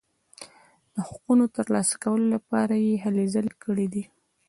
د حقونو ترلاسه کولو لپاره یې هلې ځلې کړي دي.